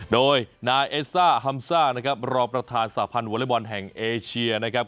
โดยนายเอสซ่าฮัมซ่านะครับรองประธานสาพันธ์วอเล็กบอลแห่งเอเชียนะครับ